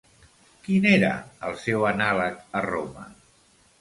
Quin era el seu anàleg a Roma?